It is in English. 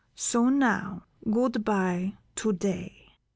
So now good by to day."